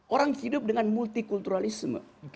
orang hidup dengan multi kulturalisme